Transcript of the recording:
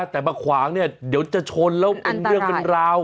แต่มาขวางเนี่ยเดี๋ยวจะชนแล้วเป็นเรื่องเป็นราว